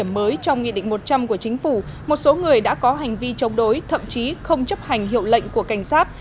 trong mới trong nghị định một trăm linh của chính phủ một số người đã có hành vi chống đối thậm chí không chấp hành hiệu lệnh của cảnh sát